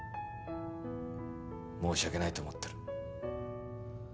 申し訳ないと思ってる。